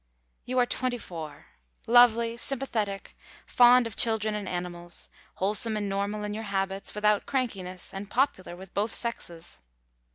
You are twenty four, lovely, sympathetic, fond of children and animals, wholesome and normal in your habits, without crankiness, and popular with both sexes.